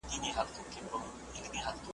نه پوهیږي چي دی څوک دی د کوم قام دی .